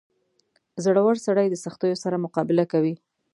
• زړور سړی د سختیو سره مقابله کوي.